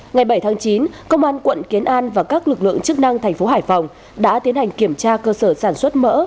ngày bảy tháng chín công an quận kiến an và các lực lượng chức năng thành phố hải phòng đã tiến hành kiểm tra cơ sở sản xuất mỡ